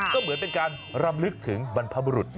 ก็เหมือนเป็นการรำลึกถึงบรรพบุรุษ